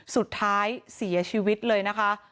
สุดท้ายเสียชีวิตเลยนะคะ